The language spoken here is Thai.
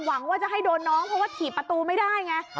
หวังว่าจะให้โดนน้องเพราะว่าถีบประตูไม่ได้ไง